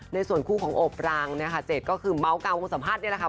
ในส่วนคู่ของอบรางเนี่ยค่ะเจดก็คือเมาส์กลางวงสัมภาษณ์นี่แหละค่ะ